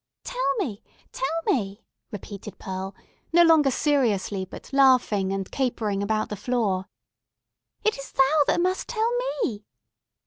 "Tell me! Tell me!" repeated Pearl, no longer seriously, but laughing and capering about the floor. "It is thou that must tell me!"